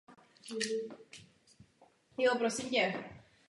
Pokud někdo navrhuje něco podobného, naprosto nechápe evropské hodnoty.